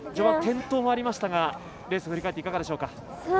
転倒もありましたがレースを振り返っていかがでしょうか？